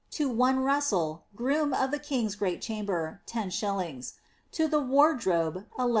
to one Russell, groom of the king's great chamber, 10«. ; to the wardrobe, lU.